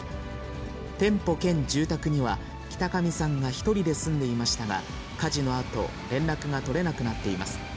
店舗兼住宅には、北上さんが１人で住んでいましたが、火事のあと、連絡が取れなくなっています。